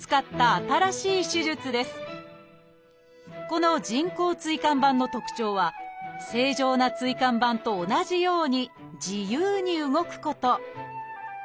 この人工椎間板の特徴は正常な椎間板と同じように自由に動くこと